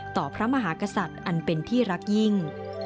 พระมหากษัตริย์อันเป็นที่รักยิ่ง